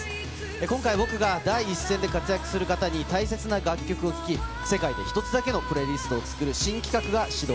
今回、僕が第一線で活躍する方に大切な楽曲を聴き、世界で一つだけのプレイリストを作る新企画が始動。